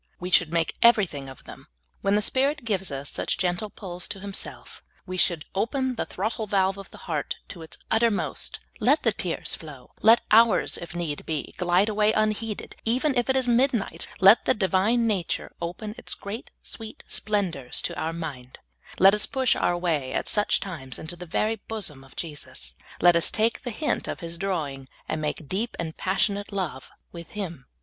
We should make everything of them. When the Spirit gives us such gentle pulls to Himself, we should open the throttle valve of the heart to its utter most ; let the tears flow ; let hours, if need be, glide away unheeded, even if it is midnight ; let the Divine nature open its great, sweet splendors to our mind ; let us push our way at such times into the very bosom of Jesus ; let us take the hint of His drawing, and make deep and passionate love with Him.